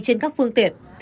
trên các phương tiện